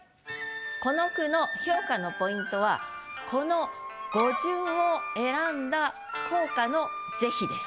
この句の評価のポイントはこの語順を選んだ効果の是非です。